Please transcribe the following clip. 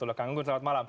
kang gun gun selamat malam